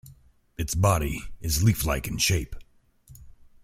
Its body is leaflike in shape.